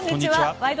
「ワイド！